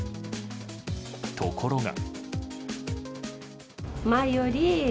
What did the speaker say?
ところが。